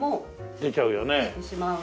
出ちゃうよね。